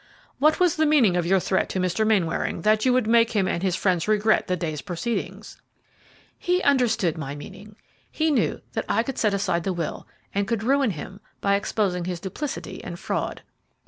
"What was the meaning of your threat to Mr. Mainwaring, that you would make him and his friends regret the day's proceedings?" "He understood my meaning. He knew that I could set aside the will, and could ruin him by exposing his duplicity and fraud."